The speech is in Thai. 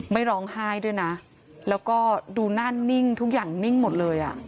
ไม่ร้องไห้ด้วยนะแล้วก็ดูหน้านิ่งทุกอย่างนิ่งหมดเลยอ่ะ